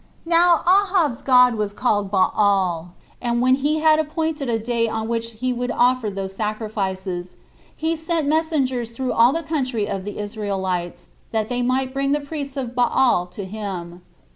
Now Ahab's god was called Baal; and when he had appointed a day on which he would offer those sacrifices, he sent messengers through all the country of the Israelites, that they might bring the priests of Baal to him.